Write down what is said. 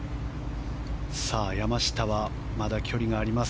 山下はまだ距離があります